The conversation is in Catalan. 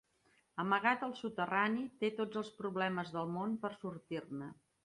Amagat al soterrani, té tots els problemes del món per sortir-ne.